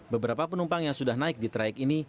beberapa penumpang yang sudah naik di trayek ini